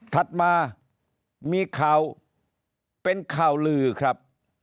ถัดมามีข่าวเป็นข่าวลือครับ